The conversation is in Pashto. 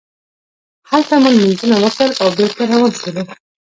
هلته مو لمونځونه وکړل او بېرته روان شولو.